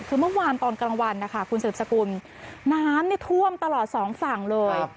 คือเมื่อวานตอนกลางวันนะคะคุณสืบสกุลน้ำท่วมตลอดสองฝั่งเลย